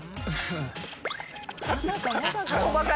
まさかまさか。